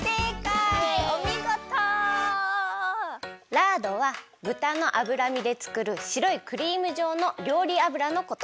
ラードはぶたの脂身でつくるしろいクリームじょうのりょうり油のこと。